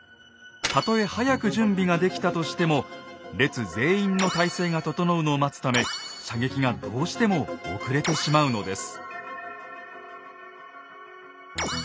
たとえ早く準備ができたとしても列全員の態勢が整うのを待つため射撃がどうしても遅れてしまうのです。